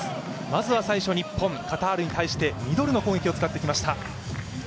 まずは最初、日本、カタールに対してミドルの攻撃を使ってきました。